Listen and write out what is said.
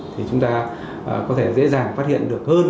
thì chúng ta có thể dễ dàng phát hiện được hơn